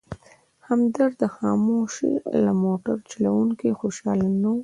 همدرد د خاموش له موټر چلونې خوشحاله نه و.